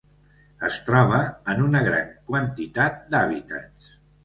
Es troba en una gran quantitat d'hàbitats.